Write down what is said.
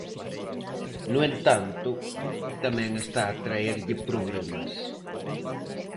No entanto, tamén está a traerlle problemas.